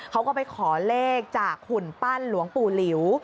เขาก็ไปขอเลขจากหุ่นปั้นหลวงปู่หลิว